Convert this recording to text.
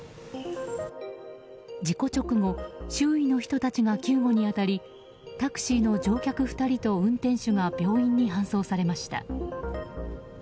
事故直後周囲の人たちが救護に当たりタクシーの乗客２人と運転手が病院に搬送されました。